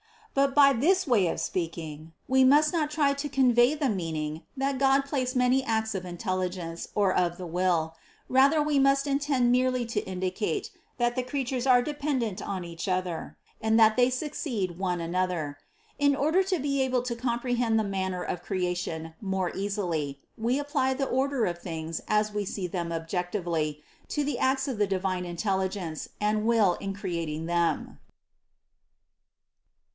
But by this way of speaking, we must not try to convey the meaning that God placed many acts of intelligence, or of the will ; rather we must intend merely to indicate, that the creatures are depen dent on each other and that they succeed one another. In order to be able to comprehend the manner of cre ation more easily, we apply the order of things as we see them objectively, to the acts of the divine intelligence and will in creating them.